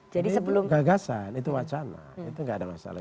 jadi sebelum gagasan itu wacana itu nggak ada masalah